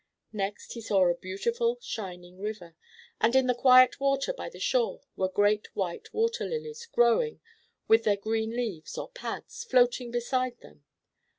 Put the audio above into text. Next, he saw a beautiful, shining river, and in the quiet water by the shore were great white water lilies growing, with their green leaves, or pads, floating beside them.